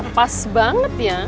pas banget ya